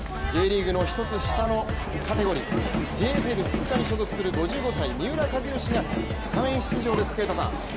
Ｊリーグの一つ下のカテゴリー、ＪＦＬ鈴鹿に所属する５５歳三浦知良がスタメン出場です、啓太さん。